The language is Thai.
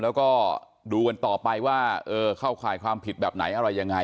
แล้วก็ดูกันต่อไปว่าเข้าข่ายความผิดแบบไหนอะไรยังไง